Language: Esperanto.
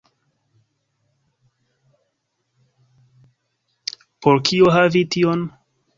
Por kio havi tion?